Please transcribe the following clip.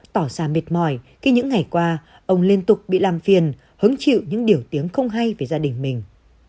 tỏ ra mệt mỏi khi những ngày qua ông liên tục bị làm phiền hứng chịu những điều tiếng không hay về gia đình mình